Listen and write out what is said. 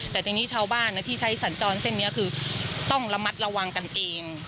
แต่ทีนี้ชาวบ้านที่ใช้สัญจรเส้นนี้คือต้องระมัดระวังกันเอง